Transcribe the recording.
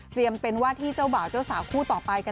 เตรียมเป็นวาธิเจ้าเบ่าเจ้าสาว